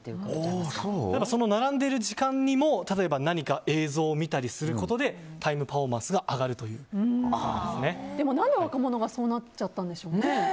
並んでる時間にも何か映像を見たりすることでタイムパフォーマンスがでも、何で若者がそうなっちゃったんですかね。